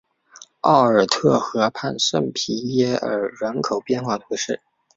奥尔特河畔圣皮耶尔人口变化图示